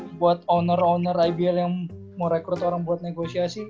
buat owner owner ibl yang mau rekrut orang buat negosiasi